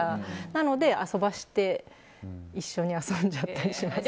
なので遊ばせて一緒に遊んじゃったりします。